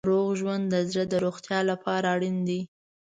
روغ ژوند د زړه د روغتیا لپاره اړین دی.